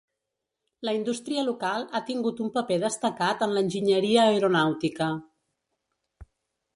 La indústria local ha tingut un paper destacat en l'enginyeria aeronàutica.